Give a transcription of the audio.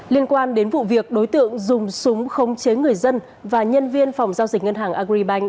liên quan đến vụ việc đối tượng dùng súng không chế người dân và nhân viên phòng giao dịch ngân hàng agribank